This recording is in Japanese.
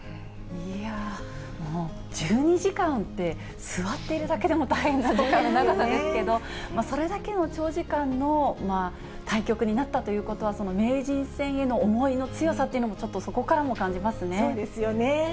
もう、１２時間って、座っているだけでも大変だと思う長さですけども、それだけの長時間の対局になったということは、名人戦への思い入れの強さというのも、ちょっとそこからも感じまそうですよね。